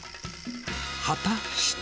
果たして。